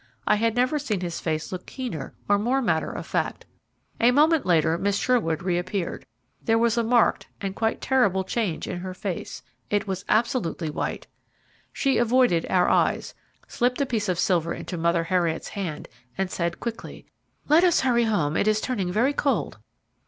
I had never seen his face look keener or more matter of fact. A moment later Miss Sherwood re appeared. There was a marked, and quite terrible, change in her face it was absolutely white. She avoided our eyes, slipped a piece of silver into Mother Heriot's hand, and said quickly: "Let us hurry home; it is turning very cold."